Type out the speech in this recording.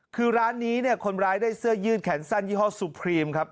คือร้านนี้เนี่ยคนร้ายได้เสื้อยืดแขนสั้นยี่ห้อสุพรีมครับ